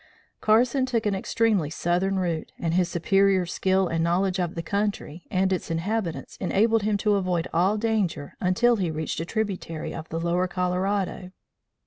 Carson took an extremely southern route, and his superior skill and knowledge of the country and its inhabitants enabled him to avoid all danger until he reached a tributary of the lower Colorado.